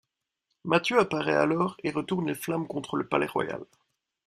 Matthieu apparaît alors et retourne les flammes contre le palais royal.